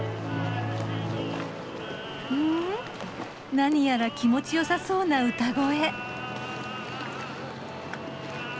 なにやら気持ちよさそうな歌声。